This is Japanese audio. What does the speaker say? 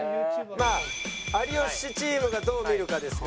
まあ有吉チームがどう見るかですか。